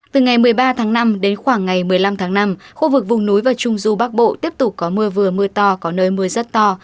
từ ngày một mươi ba tháng năm đến khoảng ngày một mươi năm tháng năm khu vực vùng núi và trung du bắc bộ tiếp tục có mưa vừa mưa to có nơi mưa rất to